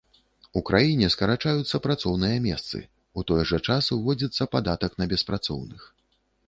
У краіне скарачаюцца працоўныя месцы, у той жа час ўводзіцца падатак на беспрацоўных.